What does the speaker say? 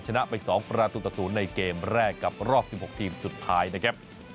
ชนะไป๒ประตูต่อ๐ในเกมแรกกับรอบ๑๖ทีมสุดท้ายนะครับ